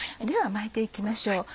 では巻いて行きましょう。